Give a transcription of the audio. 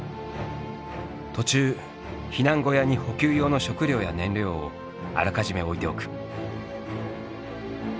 途中避難小屋に補給用の食料や燃料をあらかじめ置いておく。